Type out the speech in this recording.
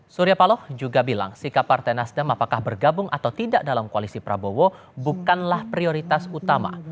surya paloh juga bilang sikap partai nasdem apakah bergabung atau tidak dalam koalisi prabowo bukanlah prioritas utama